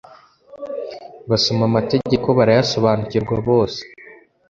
Basoma amategeko barayasobanukirwa bose